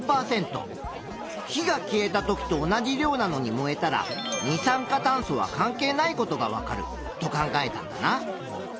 火が消えた時と同じ量なのに燃えたら二酸化炭素は関係ないことがわかると考えたんだな。